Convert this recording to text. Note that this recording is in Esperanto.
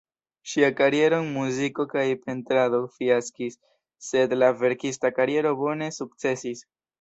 Ŝia kariero en muziko kaj pentrado fiaskis, sed la verkista kariero bone sukcesis.